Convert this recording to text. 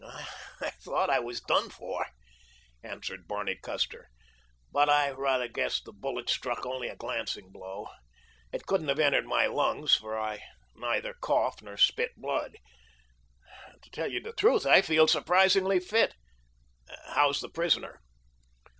"I thought I was done for," answered Barney Custer, "but I rather guess the bullet struck only a glancing blow. It couldn't have entered my lungs, for I neither cough nor spit blood. To tell you the truth, I feel surprisingly fit. How's the prisoner?"